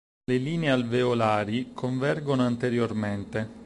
Le linee alveolari convergono anteriormente.